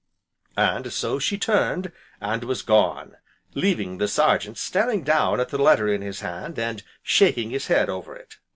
And so she turned, and was gone, leaving the Sergeant staring down at the letter in his hand, and shaking his head over it.